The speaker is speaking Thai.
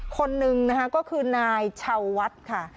คนหนึ่งก็คือนายเชาวัดค่ะ